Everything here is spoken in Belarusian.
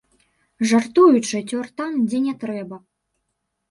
Жартуючы, цёр там, дзе не трэба.